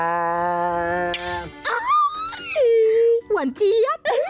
อ้าวหวั่นเจี๊ย